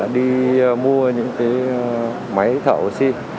đi mua những cái máy thẩm oxy